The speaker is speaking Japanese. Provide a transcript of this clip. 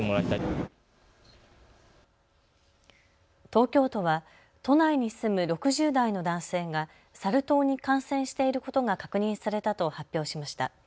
東京都は都内に住む６０代の男性がサル痘に感染していることが確認されたと発表しました。